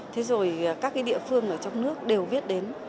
thế rồi các cái địa phương ở trong nước đều biết đến